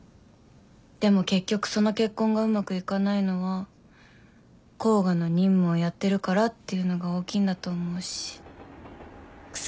でも結局その結婚がうまくいかないのは甲賀の任務をやってるからっていうのが大きいんだと思うし。